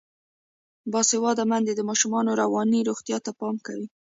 باسواده میندې د ماشومانو رواني روغتیا ته پام کوي.